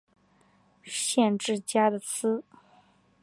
县治加的斯。